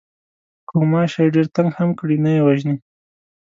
که غوماشی ډېر تنگ هم کړي نه یې وژنې.